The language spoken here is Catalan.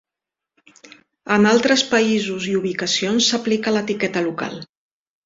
En altres països i ubicacions, s'aplica l'etiqueta local.